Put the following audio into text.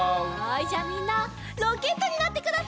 じゃあみんなロケットになってください。